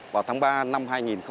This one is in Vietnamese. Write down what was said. vào tháng ba năm hai nghìn hai mươi